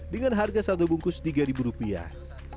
dengan harga satu bungkus tiga ribu rupiah